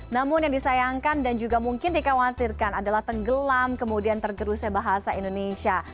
namun yang disayangkan dan juga mungkin dikhawatirkan adalah tenggelam kemudian tergerusnya bahasa indonesia